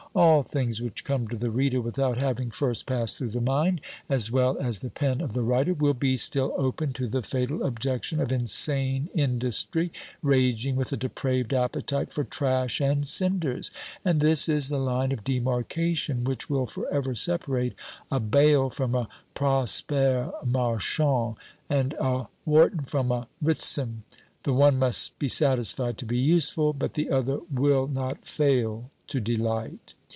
All things which come to the reader without having first passed through the mind, as well as the pen of the writer, will be still open to the fatal objection of insane industry raging with a depraved appetite for trash and cinders; and this is the line of demarcation which will for ever separate a Bayle from a Prosper Marchand, and a Warton from a Ritson; the one must be satisfied to be useful, but the other will not fail to delight.